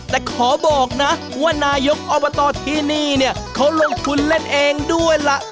แต่ขอบอกนะว่านายกอบตที่นี่เนี่ยเขาลงทุนเล่นเองด้วยล่ะ